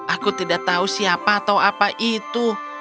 aku tidak tahu siapa atau apa itu